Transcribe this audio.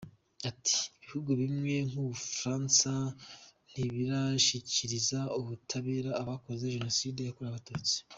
Ati “Ibihugu bimwe nk’u Bufaransa ntibirashyikiriza ubutabera abakoze Jenoside yakorewe Abatutsi.